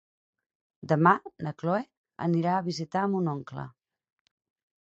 Demà na Chloé anirà a visitar mon oncle.